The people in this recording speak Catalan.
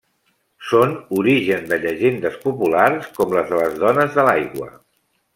Són origen de llegendes populars com la de les dones de l'aigua.